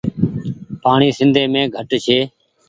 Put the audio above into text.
پآڻيٚ سندي مين گهٽ ڇي ۔